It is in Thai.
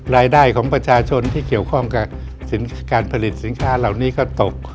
รายได้ของประชาชนที่เกี่ยวข้องกับการผลิตสินค้าเหล่านี้ก็ตก